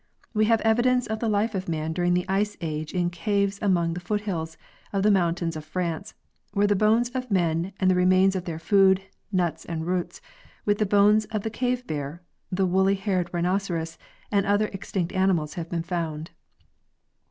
We have evidence of the the life of man during the Ice age in caves among the foot hills of the mountains of France, where the bones of men and the remains of their food, nuts_and roots, with the bones of the cave bear, the woolly haired rhinoceros, and other extinct animals have been found.